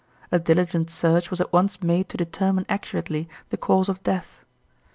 A diligent search was at once made to determine accurately the cause of death.